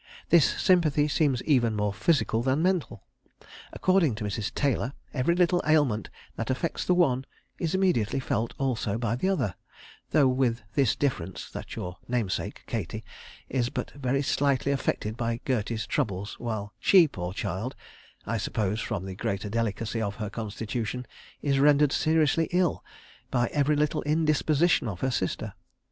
This sympathy seems even more physical than mental. According to Mrs. Taylor, every little ailment that affects the one is immediately felt also by the other, though with this difference, that your namesake, Katie, is but very slightly affected by Gertie's troubles, while she, poor child, I suppose from the greater delicacy of her constitution, is rendered seriously ill by every little indisposition of her sister.